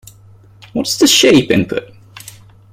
What is the shape input?